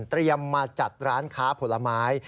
เตรียมมาจัดร้านค้าผลไม้